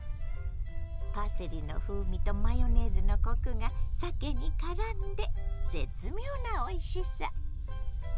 パセリの風味とマヨネーズのコクがさけにからんで絶妙なおいしさ。